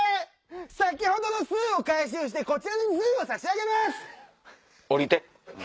先ほどのスーを回収してこちらにスーを差し上げます！